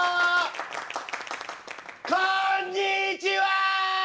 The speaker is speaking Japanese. こんにちは！